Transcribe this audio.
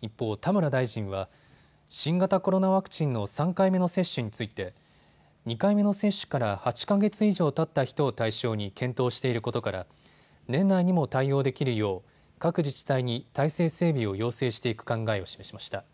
一方、田村大臣は新型コロナワクチンの３回目の接種について２回目の接種から８か月以上たった人を対象に検討していることから年内にも対応できるよう各自治体に体制整備を要請していく考えを示しました。